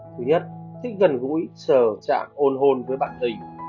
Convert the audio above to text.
thứ nhất thích gần gũi sờ chạm ôn hôn với bạn tình